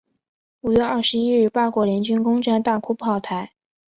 五月二十一日八国联军攻战大沽炮台。